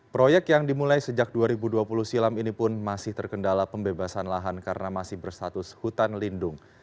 proyek yang dimulai sejak dua ribu dua puluh silam ini pun masih terkendala pembebasan lahan karena masih berstatus hutan lindung